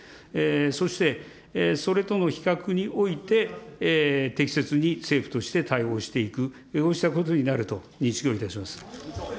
そして、それとの比較において適切に政府として対応していく、こうしたことになると認識しております。